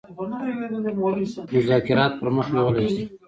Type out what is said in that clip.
مذاکرات پر مخ بېولای سي.